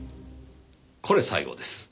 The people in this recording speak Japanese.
これ最後です。